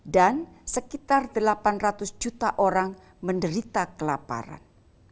sekitar delapan ratus juta orang menderita kelaparan